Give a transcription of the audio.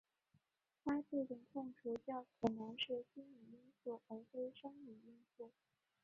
他的这种痛楚较可能是心理因素而非生理因素。